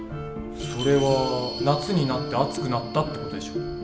それは「夏になって暑くなった」って事でしょ。